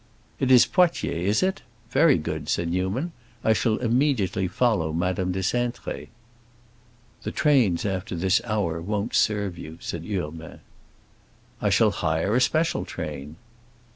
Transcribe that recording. "It is Poitiers, is it? Very good," said Newman. "I shall immediately follow Madame de Cintré." "The trains after this hour won't serve you," said Urbain. "I shall hire a special train!"